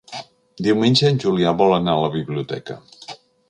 Diumenge en Julià vol anar a la biblioteca.